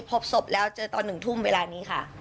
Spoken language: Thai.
พบศพแล้วเจอตอน๑ทุ่มเวลานี้ค่ะ